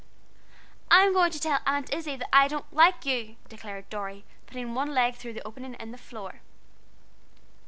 "I'm goin' to tell Aunt Izzie that I don't like you," declared Dorry, putting one leg through the opening in the floor.